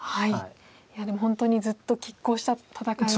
いやでも本当にずっときっ抗した戦いで。